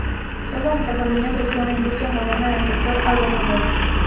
Sólo en Cataluña surgió una industria moderna en el sector algodonero.